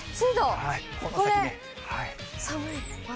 ここで寒い、また。